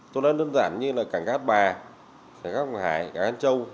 cho nên đơn giản như là cảng cá bà cảng cá ngọc hải cảng cá châu